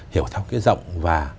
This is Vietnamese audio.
hiểu thông cái giọng và